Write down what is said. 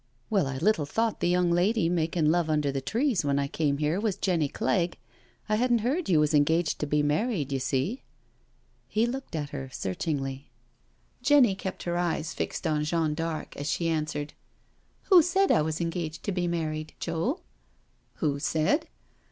"Well, I little thought the young lady makin* love under these trees when I came here was Jenny Clegg. ... I hadn't heard you was engaged to be married, you see." He looked at her searchingly. Jenny kept her eyes fixed on Jeanne d'Arc as she answered: "Who said I was engaged to be married, Joe?" "Who said?"